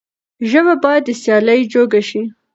ژبه بايد د سيالۍ جوګه شي.